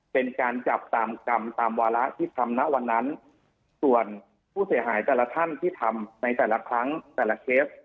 เป็นการจับตามกรรมตามวาระที่ทำนะวันนั้นส่วนผู้เสียหายแต่ละท่านที่ทำในแต่ละครั้งแต่ละเคส